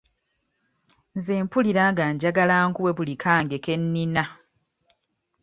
Nze mpulira nga njagala nkuwe buli kange ke nnina.